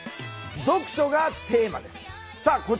読書がテーマです。